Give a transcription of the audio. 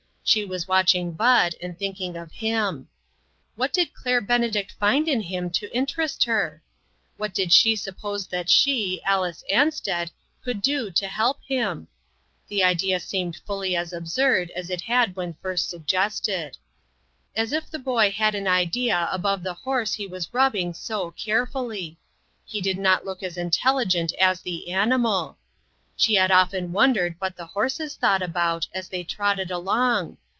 She was watching Bud, and thinking of him. What did Claire Benedict find in him to in terest her ? What did she suppose that she. 2/8 INTERRUPTED. Alice Ansted, could do to help him ? The idea seemed fully as absurd as it had when first suggested. As if the boy had an idea above the horse he was rubbing so carefully ! He did not look as intelligent as the animal. She had often wondered what the horses thought about, as they trotted along.